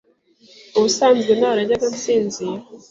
ubusanzwe ntarajyaga nsinzira